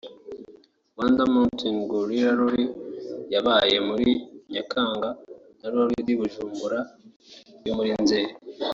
Rwanda Mountain Gorilla Rally yabaye muri Nyakanga na Rally de Bujumbura yo muri Nzeli